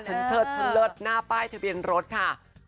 เชิดฉันเลิศหน้าป้ายทะเบียนรถค่ะ